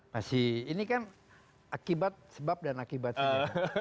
masih ini kan akibat sebab dan akibat saja